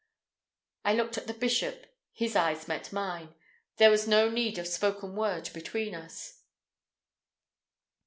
I looked at the bishop. His eyes met mine. There was no need of spoken word between us.